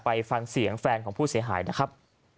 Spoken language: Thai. ไปฟังเสียงแฟนของผู้เสียหายนะครับ